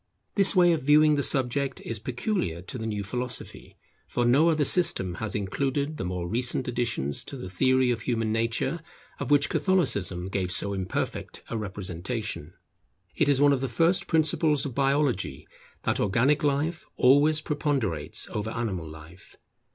This way of viewing the subject is peculiar to the new philosophy, for no other system has included the more recent additions to the theory of human nature, of which Catholicism gave so imperfect a representation. It is one of the first principles of Biology that organic life always preponderates over animal life.